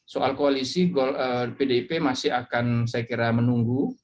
soal koalisi pdip masih akan saya kira menunggu